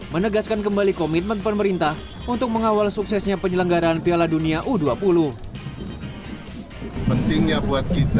menegaskan kembali komitmen pemerintah untuk mengawal suksesnya penyelenggaraan piala dunia u dua puluh